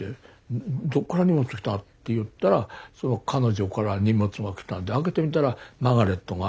どこから荷物来た？って言ったらその彼女から荷物が来たんで開けてみたら「マーガレット」が。